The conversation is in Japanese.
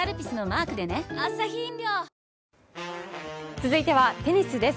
続いてはテニスです。